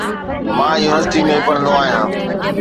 مان يونيورسٽي ۾ پڙھندو آھيان